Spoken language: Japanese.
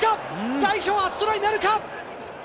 代表初トライなるか？